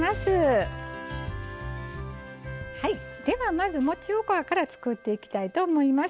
はいではまずもちおこわから作っていきたいと思います。